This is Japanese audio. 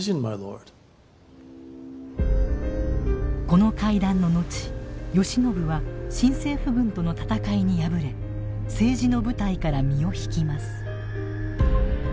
この会談の後慶喜は新政府軍との戦いに敗れ政治の舞台から身を引きます。